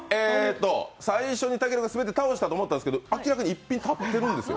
最初にたけるが滑って倒したと思ったんですけど明らかに１ピン立ってるんですよ。